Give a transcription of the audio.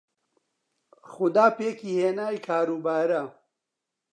خودا پێکی هێنای کار و بارە